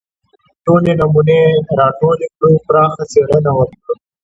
ټولې نمونې راټولې کړو پراخه څېړنه وکړو